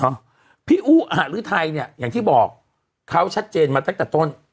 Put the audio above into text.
พี่อุหะหรือไทยเนี่ยอย่างที่บอกเขาชัดเจนมาตั้งแต่ต้น